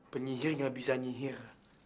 penyihir gak bisa nyihir